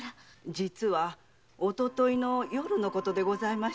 実は一昨日の夜のことでございました。